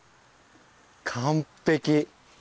完璧。